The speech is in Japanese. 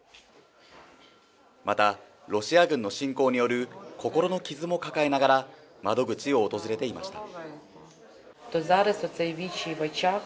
また、ロシア軍の侵攻による心の傷も抱えながら、窓口へ訪れていました。